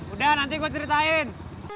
udah nanti gue ceritain